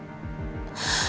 pada saat kecelakaan